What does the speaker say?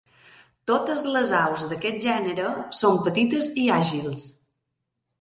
Totes les aus d'aquest gènere són petites i àgils.